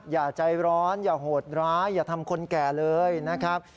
อย่าใจร้อนอย่าโหดร้ายอย่าทำคนแก่เลยนะครับ